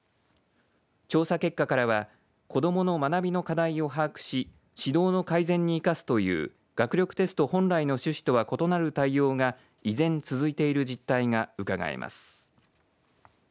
調査結果からは子どもの学びの課題を把握し指導の改善に生かすという学力テスト本来の趣旨とは異なる対応が依然続いている実態がうかがえます。